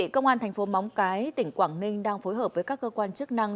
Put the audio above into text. công an thành phố móng cái tỉnh quảng ninh đang phối hợp với các cơ quan chức năng